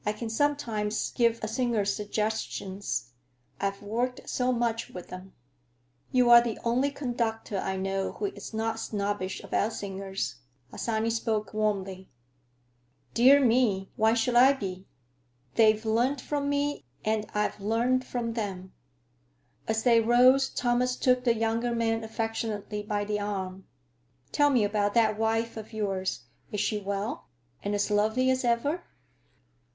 I can sometimes give a singer suggestions. I've worked so much with them." "You're the only conductor I know who is not snobbish about singers." Harsanyi spoke warmly. "Dear me, why should I be? They've learned from me, and I've learned from them." As they rose, Thomas took the younger man affectionately by the arm. "Tell me about that wife of yours. Is she well, and as lovely as ever?